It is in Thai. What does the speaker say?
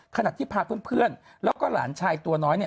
ขณะที่พาเพื่อนแล้วก็หลานชายตัวน้อยเนี่ย